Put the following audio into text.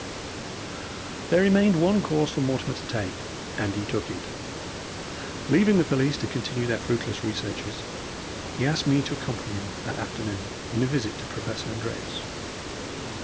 There remained one course for Mortimer to take, and he took it. Leaving the police to continue their fruitless researches, he asked me to accompany him that afternoon in a visit to Professor Andreas.